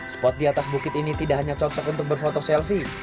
spot di atas bukit ini tidak hanya cocok untuk berfoto selfie